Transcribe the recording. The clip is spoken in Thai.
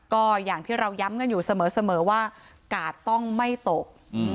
ก็อย่างที่เราย้ำกันอยู่เสมอว่ากาดต้องไม่ตก